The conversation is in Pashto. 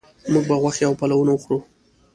موږ به غوښې او پلونه وخورو